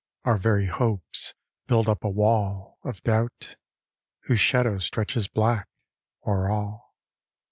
Our very hopes build up a wall Of doubt, whose shadow stretches black O'er all.